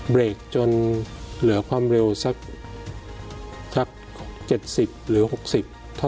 เบรกจนเหลือความเร็วสัก๗๐หรือ๖๐